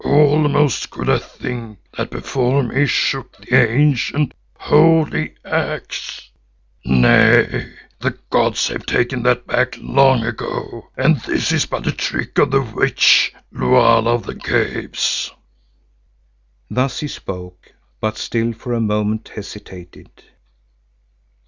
Almost could I think that before me shook the ancient holy axe. Nay, the gods have taken that back long ago and this is but a trick of the witch, Lulala of the Caves." Thus he spoke, but still for a moment hesitated.